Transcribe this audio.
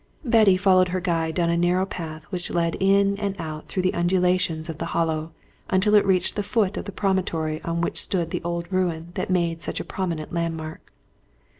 Betty followed her guide down a narrow path which led in and out through the undulations of the Hollow until it reached the foot of the promontory on which stood the old ruin that made such a prominent landmark.